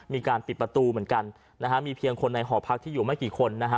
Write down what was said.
มีการปิดประตูเหมือนกันนะฮะมีเพียงคนในหอพักที่อยู่ไม่กี่คนนะฮะ